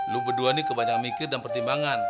lo berdua nih kebanyakan mikir dan pertimbangan